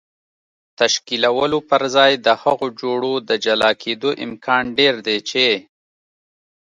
تشکیلولو پر ځای د هغو جوړو د جلا کېدو امکان ډېر دی چې